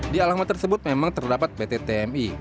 di alamat tersebut memang terdapat pt tmi